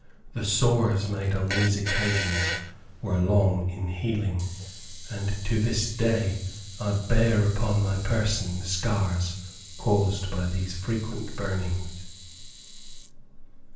The sores made on these occasions were long in healing, and to this day I bear upon my person the scars caused by these frequent burnings.